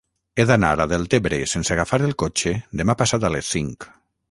He d'anar a Deltebre sense agafar el cotxe demà passat a les cinc.